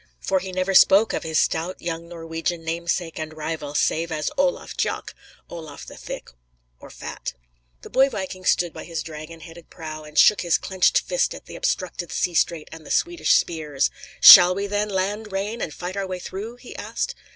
For he never spoke of his stout young Norwegian namesake and rival save as "Olaf Tjocke" Olaf the Thick, or Fat. The boy viking stood by his dragon headed prow, and shook his clenched fist at the obstructed sea strait and the Swedish spears. "Shall we, then, land, Rane, and fight our way through?" he asked.